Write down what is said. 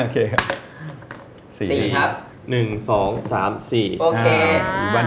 ๔ครับ